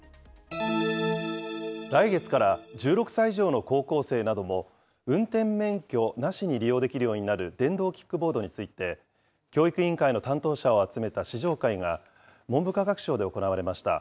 来月から１６歳以上の高校生なども、運転免許なしに利用できるようになる、電動キックボードについて、教育委員会の担当者を集めた試乗会が、文部科学省で行われました。